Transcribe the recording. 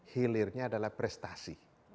hilirnya adalah prestasi